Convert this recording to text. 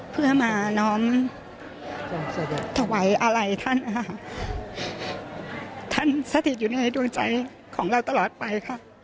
เพื่อมาน้อมถวายอะไรท่านนะคะท่านสถิตอยู่ในดวงใจของเราตลอดไปค่ะ